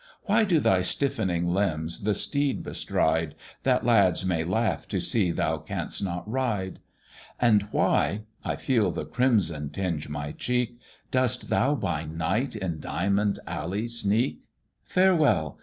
Why do thy stiffening limbs the steed bestride That lads may laugh to see thou canst not ride? And why (I feel the crimson tinge my cheek) Dost thou by night in Diamond Alley sneak? "Farewell!